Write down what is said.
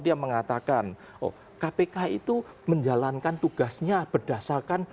saya itu menjalankan tugasnya berdasarkan